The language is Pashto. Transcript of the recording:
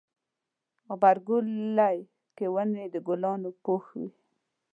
غبرګولی کې ونې د ګلانو پوښ وي.